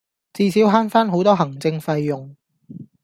至少慳返好多行政費用